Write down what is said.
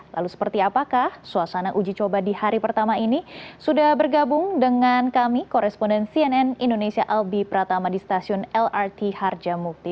lalu seperti apakah suasana uji coba di hari pertama ini sudah bergabung dengan kami koresponden cnn indonesia albi pratama di stasiun lrt harjamukti